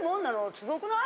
すごくない？